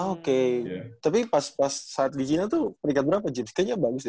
oke tapi pas saat ke china tuh peringkat berapa jep sekiannya bagus deh